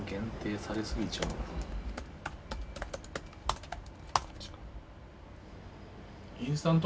こっちか。